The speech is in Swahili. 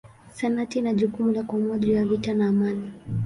Senati ina jukumu la kuamua juu ya vita na amani.